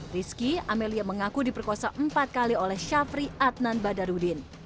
rizky amelia mengaku diperkosa empat kali oleh syafri adnan badarudin